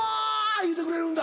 言うてくれるんだ。